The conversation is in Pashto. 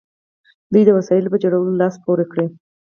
دوی د وسایلو په جوړولو لاس پورې کړ.